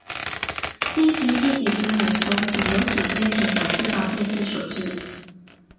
进行性脊肌萎缩仅由脊髓前角细胞变性所致。